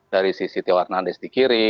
dari sisi theo hernandez di kiri